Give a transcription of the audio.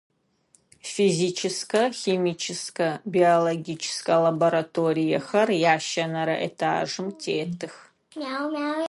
Физическэ, химическэ, биологическэ лабораториехэр ящэнэрэ этажым тетых.